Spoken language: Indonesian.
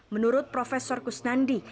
menurut profesor kusnandi